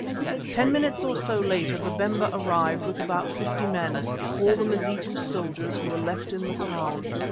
Ten minutes or so later Babemba arrived with about fifty men, all the Mazitu soldiers who were left in the town.